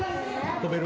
跳べる？